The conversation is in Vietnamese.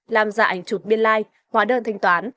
làm giả ảnh chụp biên like hóa đơn thanh toán